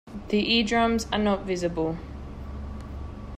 The eardrums are not visible.